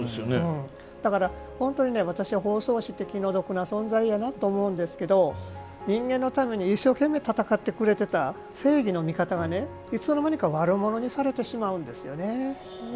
だから本当に私は方相氏って気の毒な存在やなと思うんですけど人間のために一生懸命戦ってくれてた正義の味方がいつの間にか悪者にされてしまうんですよね。